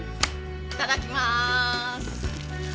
いただきまーす。